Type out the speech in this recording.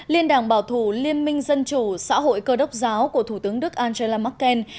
liên đảng bảo thủ liên minh dân chủ xã hội cơ đốc giáo của thủ tướng đức angela merkel